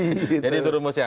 jadi itu rumusnya